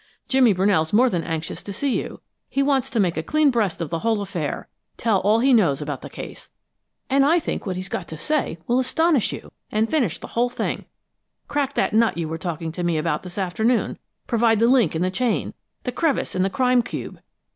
Jimmy Brunell's more than anxious to see you; he wants to make a clean breast of the whole affair tell all he knows about the case; and I think what he's got to say will astonish you and finish the whole thing crack that nut you were talking to me about this afternoon, provide the link in the chain, the crevice in the crime cube!